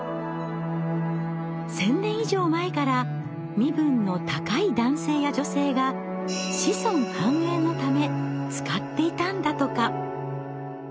１，０００年以上前から身分の高い男性や女性が子孫繁栄のため使っていたんだとか。